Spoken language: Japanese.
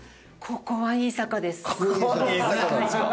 ここはいい坂なんですか？